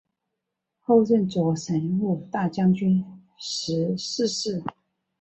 后任左神武大将军时逝世。